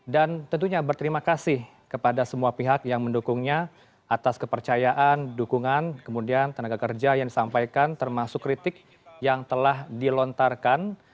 dan tentunya berterima kasih kepada semua pihak yang mendukungnya atas kepercayaan dukungan kemudian tenaga kerja yang disampaikan termasuk kritik yang telah dilontarkan